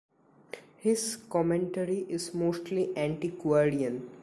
His commentary is mostly antiquarian.